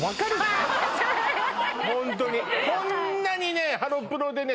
ホントにこんなにねハロプロでね